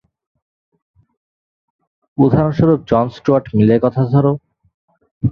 উদাহরণস্বরূপ John Stuart মিলের কথা ধর।